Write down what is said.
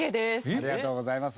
ありがとうございます。